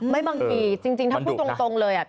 บางทีจริงถ้าพูดตรงเลยอ่ะ